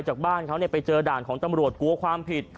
จากบ้านเขาไปเจอด่านของตำรวจกลัวความผิด